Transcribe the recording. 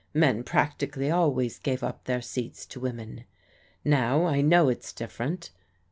Men practically always gave up their seats to women. Now I know it's different.